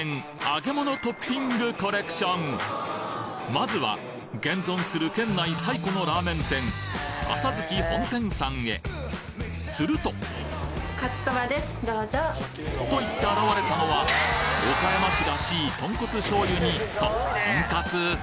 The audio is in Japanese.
まずは現存する県内最古のラーメン店浅月本店さんへするとといって現れたのは岡山市らしい豚骨醤油にトトンカツ？